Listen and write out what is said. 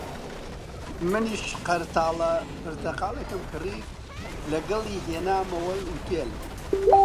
منیش قەرتاڵە پرتەقاڵێکم کڕی، لەگەڵی هێنامەوە ئوتێل